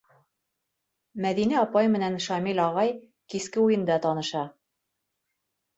Мәҙинә апай менән Шамил ағай киске уйында таныша.